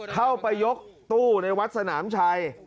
เข้าไปยกตู้ในวัดสนามชัย